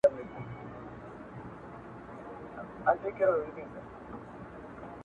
زړه مي ستا سره پیوند وي زه او ته اوسو جانانه -